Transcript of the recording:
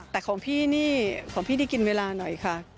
แต่ของพี่นี่ของพี่ได้กินเวลาหน่อยค่ะ